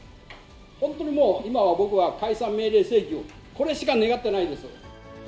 本当にもう、今は僕は解散命令請求、これしか願ってないです。